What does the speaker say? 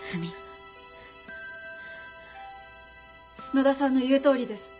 野田さんの言う通りです。